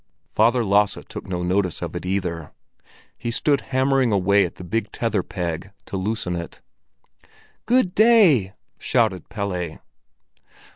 Father Lasse took no notice of it, either. He stood hammering away at the big tether peg, to loosen it. "Good day!" shouted Pelle.